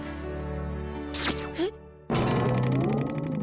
えっ！